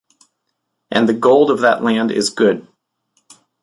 And the gold of that land is good: